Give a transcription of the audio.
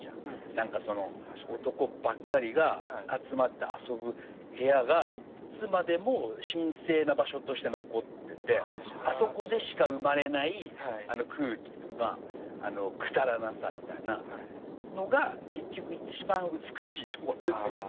男ばっかりが集まって遊ぶ部屋がいつまでも神聖な場所として残っててあそこでしか生まれない空気とかくだらなさみたいなのが結局一番美しいと思ってんだけど。